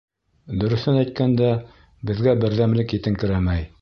Дөрөҫөн әйткәндә, беҙгә берҙәмлек етеңкерәмәй.